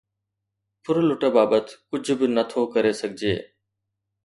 ڦرلٽ بابت ڪجهه به نه ٿو ڪري سگهجي.